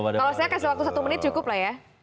kalau saya kasih waktu satu menit cukup lah ya